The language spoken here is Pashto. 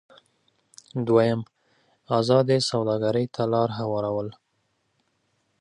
دویم: ازادې سوداګرۍ ته لار هوارول.